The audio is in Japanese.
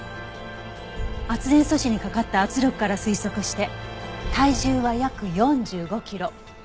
圧電素子にかかった圧力から推測して体重は約４５キロ。